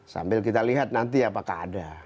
sambil kita lihat nanti apakah ada